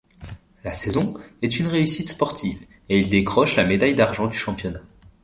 La saison est une réussite sportive et ils décrochent la médaille d'argent du championnat.